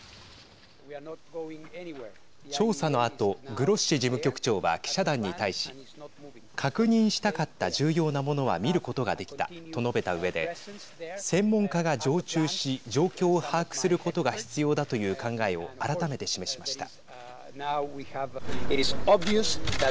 調査のあと、グロッシ事務局長は記者団に対し確認したかった重要なものは見ることができたと述べたうえで専門家が常駐し状況を把握することが必要だという考えを改めて示しました。